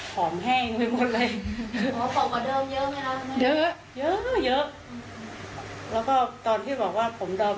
แต่ตามนิสัยเป็นแบบนั้นมันต้องไปไกลกว่านั้น